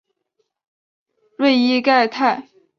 瑞伊盖泰。